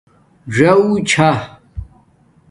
ژݻکُنک چھݳ